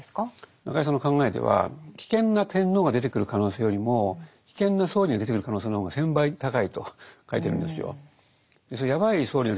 中井さんの考えでは危険な天皇が出てくる可能性よりも危険な総理が出てくる可能性の方が１，０００倍高いと書いてるんですよ。